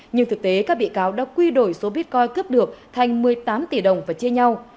nhưng thực tế các bị cáo đã quy đổi số bitcoin cướp được thành một mươi tám tỷ đồng và chia nhau